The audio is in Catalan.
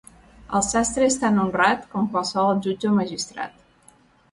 El sastre és tan honrat com qualsevol jutge o magistrat.